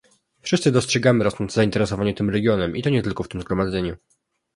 Wszyscy dostrzegamy rosnące zainteresowanie tym regionem i to nie tylko w tym zgromadzeniu